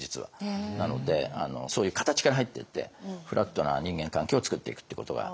なのでそういう形から入っていってフラットな人間関係をつくっていくっていうことが。